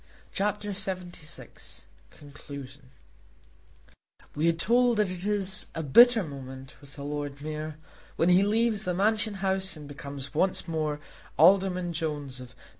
CHAPTER LXXVI Conclusion We are told that it is a bitter moment with the Lord Mayor when he leaves the Mansion House and becomes once more Alderman Jones, of No.